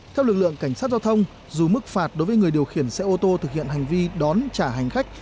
theo lực lượng cảnh sát giao thông dù mức phạt đối với người điều khiển xe ô tô thực hiện hành vi đón trả hành khách